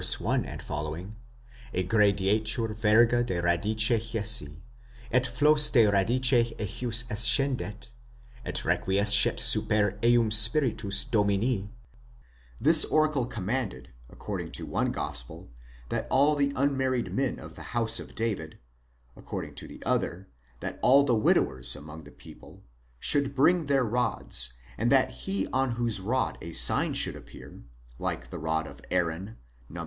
egredietur virga de radice Jesse, et flos de radice ejus ascendet, et regutescet super eum spirttus Domini ; this oracle commanded, according to one Gospel,® that all the unmarried men of the house of David,—accord ing to the other,' that all the widowers among the people,—should bring their rods, and that he on whose rod a sign should appear (like the rod 'of Aaron, Numb.